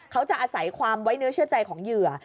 เขาจะอาศัยความไว้เนื้อเชื่อใจของเหยื่อ